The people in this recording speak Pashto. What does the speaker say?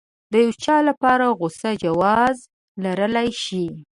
د يو چا لپاره غوسه جواز لرلی شي.